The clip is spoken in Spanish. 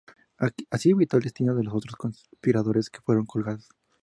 Así evitó el destino de los otros conspiradores, que fueron colgados.